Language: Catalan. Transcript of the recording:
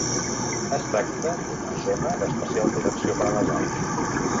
Es tracta d'una Zona d'especial protecció per a les aus.